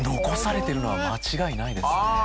残されてるのは間違いないですね。